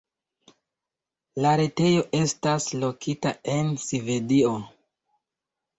La retejo estas lokita en Svedio.